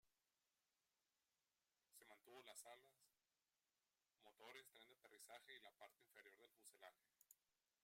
Se mantuvo las alas, motores, tren de aterrizaje y la parte inferior del fuselaje.